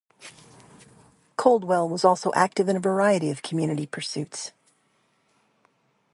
Coldwell was also active in a variety of community pursuits.